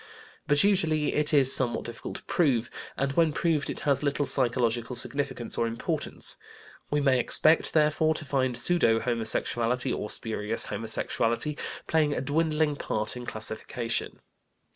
But usually it is somewhat difficult to prove, and when proved it has little psychological significance or importance. We may expect, therefore, to find "pseudo homosexuality," or spurious homosexuality, playing a dwindling part in classification.